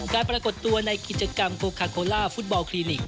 ปรากฏตัวในกิจกรรมโฟคาโคล่าฟุตบอลคลินิก